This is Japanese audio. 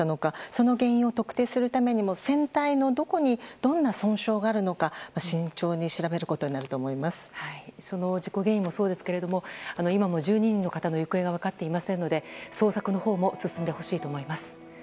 その原因を特定するために船体のどこにどんな損傷があるか慎重に調べることに事故原因もそうですが今も１２人の方の行方が分かっていませんので捜索のほうも進んでほしいと思います。